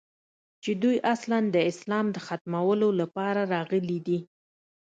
چې دوى اصلاً د اسلام د ختمولو لپاره راغلي دي.